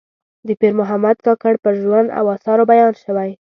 د پیر محمد کاکړ پر ژوند او آثارو بیان شوی.